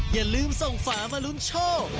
อย่าลืมส่งฝามาลุ้นโชค